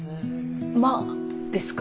「まっ」ですか？